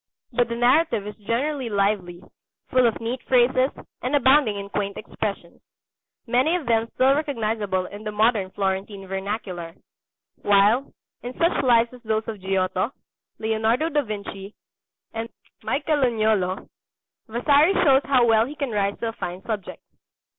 But the narrative is generally lively, full of neat phrases, and abounding in quaint expressions many of them still recognizable in the modern Florentine vernacular while, in such Lives as those of Giotto, Leonardo da Vinci, and Michelagnolo, Vasari shows how well he can rise to a fine subject.